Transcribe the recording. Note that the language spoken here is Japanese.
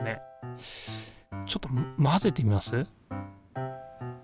ちょっと混ぜてみます？